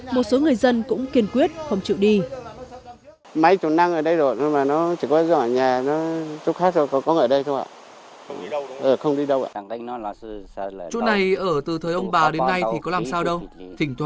một số người dân cũng kiên quyết không chịu đi